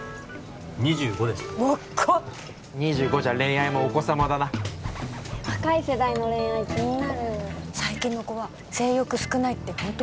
２５です若っ２５じゃ恋愛もお子様だな若い世代の恋愛気になる最近の子は性欲少ないってホント？